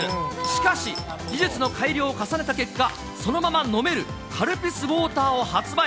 しかし、技術の改良を重ねた結果、そのまま飲める、カルピスウォーターを発売。